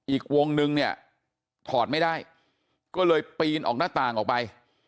อีกวงนึงเนี่ยถอดไม่ได้ก็เลยปีนออกหน้าต่างออกไป